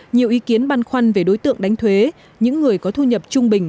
nhiều ý kiến băn khoăn về đối tượng đánh thuế